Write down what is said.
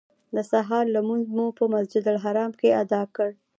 د سهار لمونځ مو په مسجدالحرام کې ادا کړ.